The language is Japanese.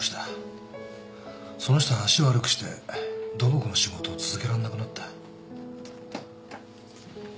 その人は足悪くして土木の仕事を続けらんなくなった。